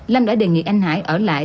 lâm đã đề nghị anh hải ở lại